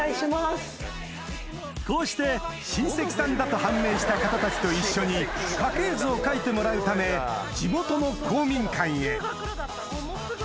こうして親戚さんだと判明した方たちと一緒に家系図を描いてもらうためえっ？